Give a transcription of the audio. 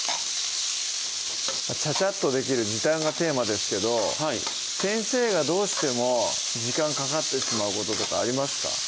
ちゃちゃっとできる時短がテーマですけど先生がどうしても時間かかってしまうこととかありますか？